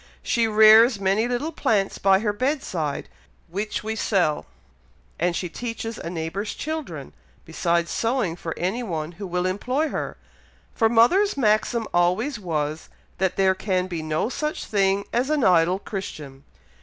She rears many little plants by her bedside, which we sell, and she teaches a neighbour's children, besides sewing for any one who will employ her, for mother's maxim always was, that there can be no such thing as an idle Christian."